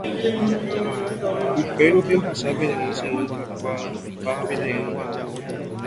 Upérupi ohasa peteĩ ysyry kakuaa opáva peteĩ yno'õme.